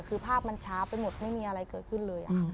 คือภาพมันช้าไปหมดไม่มีอะไรเกิดขึ้นเลย